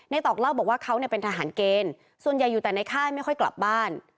ตอกเล่าบอกว่าเขาเนี่ยเป็นทหารเกณฑ์ส่วนใหญ่อยู่แต่ในค่ายไม่ค่อยกลับบ้าน